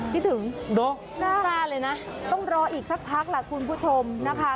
คิดถึงน่าเลยนะต้องรออีกสักพักล่ะคุณผู้ชมนะคะ